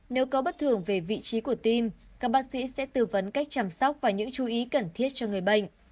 nếu có bất thường về vị trí của tim các bác sĩ sẽ tư vấn cách chăm sóc và những chú ý cần thiết cho người bệnh